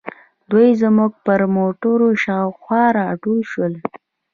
دوی زموږ پر موټرو شاوخوا راټول شول.